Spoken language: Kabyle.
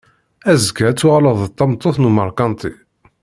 Azekka ad tuɣaleḍ d tameṭṭut n umarkanti.